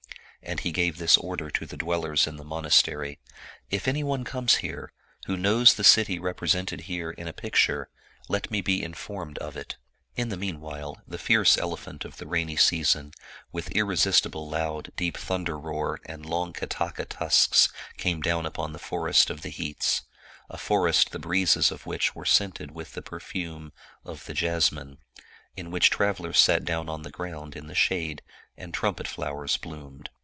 And he gave this order to the dwellers in the monastery, " If anyone comes here, who knows the city represented here in a picture, let me be in formed of it." In the meanwhile the fierce elephant of the rainy season with irresistible loud deep thunder roar and long ketaka tusks came down upon the forest of the heats, a forest the breezes of which were scented with the perfume of the jas mine, in which travelers sat down on the ground in the shade, and trumpet flowers bloomed.